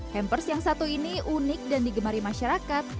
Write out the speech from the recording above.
hampers yang satu ini unik dan digemari masyarakat